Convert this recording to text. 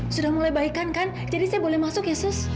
sudah mulai baikan kan jadi saya boleh masuk ya sus